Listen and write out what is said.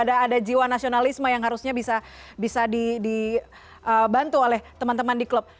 ada jiwa nasionalisme yang harusnya bisa dibantu oleh teman teman di klub